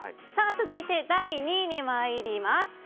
続いて第２位に参ります。